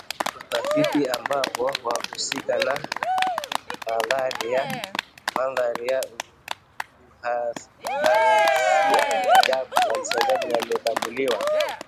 utafiti ambapo wahusika na mandhari ya uhalisiajabu yametambuliwa